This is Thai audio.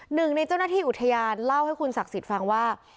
หนึ่งในเจ้าหน้าที่อุทยานเล่าให้คุณศักดิ์สิทธิ์ฟังว่า